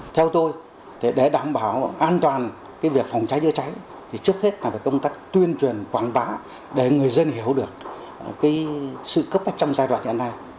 theo tôi để đảm bảo an toàn việc phòng cháy chữa cháy thì trước hết là về công tác tuyên truyền quảng bá để người dân hiểu được sự cấp bách trong giai đoạn hiện nay